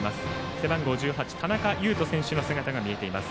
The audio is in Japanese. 背番号１８、田中優飛選手の姿が見えています。